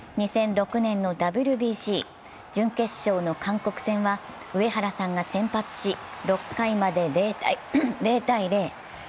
２００６年のＷＢＣ、準決勝の韓国戦は上原さんが先発し６回まで０−０。